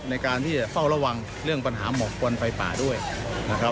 ในการที่จะเฝ้าระวังเรื่องปัญหาหมอกควันไฟป่าด้วยนะครับ